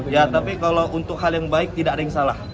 ya tapi kalau untuk hal yang baik tidak ada yang salah